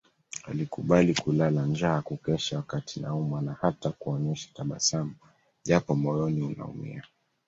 Ulikubali kulala njaa kukesha wakati naumwa na hata kuonyesha tabasamu japo moyoni unaumia